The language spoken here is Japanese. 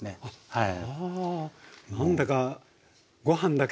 はい。